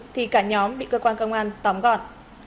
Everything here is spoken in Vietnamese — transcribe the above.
thì cả nhóm bị cơ quan công an tóm gọn